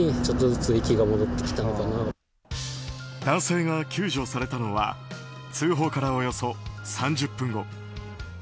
男性が救助されたのは通報からおよそ３０分後。